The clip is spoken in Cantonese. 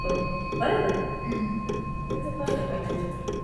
但就算係咁